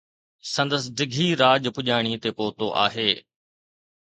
سندس ڊگھي راڄ پڄاڻي تي پهتو آهي.